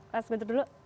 mas guntur dulu